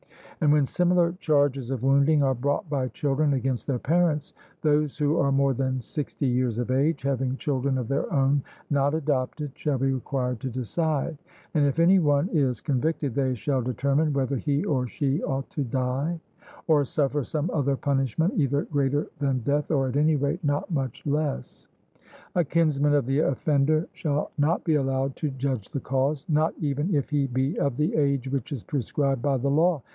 And when similar charges of wounding are brought by children against their parents, those who are more than sixty years of age, having children of their own, not adopted, shall be required to decide; and if any one is convicted, they shall determine whether he or she ought to die, or suffer some other punishment either greater than death, or, at any rate, not much less. A kinsman of the offender shall not be allowed to judge the cause, not even if he be of the age which is prescribed by the law.